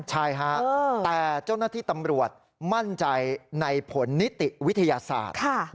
ใช่ฮะแต่เจ้าหน้าที่ตำรวจมั่นใจในผลนิติวิทยาศาสตร์